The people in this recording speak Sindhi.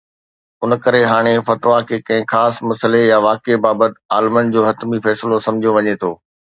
ان ڪري هاڻي فتويٰ کي ڪنهن خاص مسئلي يا واقعي بابت عالمن جو حتمي فيصلو سمجهيو وڃي ٿو.